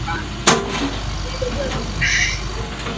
Na ni nyongeza ya wanajeshi wa Marekani ambao tayari wako nchini humo